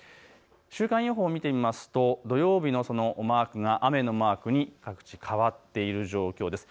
週間予報を見てみますと土曜日のマークが雨のマークに各地、変わっている状況です。